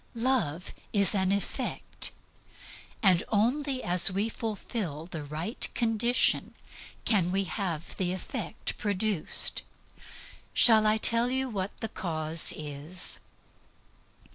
Love is an effect. And only as we fulfill the right condition can we have the effect produced. Shall I tell you what the cause is?